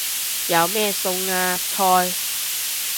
有咩餸啊？菜